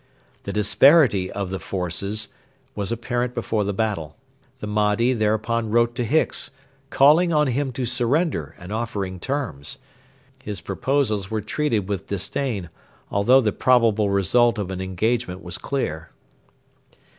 The disparity of the forces was apparent before the battle. The Mahdi thereupon wrote to Hicks, calling on him to surrender and offering terms. His proposals were treated with disdain, although the probable result of an engagement was clear.